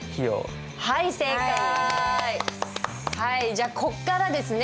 じゃあこっからですね。